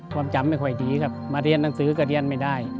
ความจำไม่ค่อยดีครับมาเรียนหนังสือก็เรียนไม่ได้